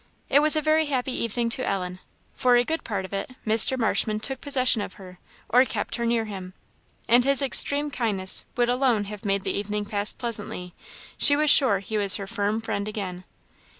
It was a very happy evening to Ellen. For a good part of it, Mr. Marshman took possession of her, or kept her near him; and his extreme kindness would alone have made the evening pass pleasantly; she was sure he was her firm friend again.